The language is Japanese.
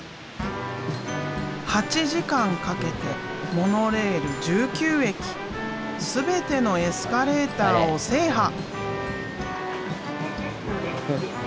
８時間かけてモノレール１９駅全てのエスカレーターを制覇！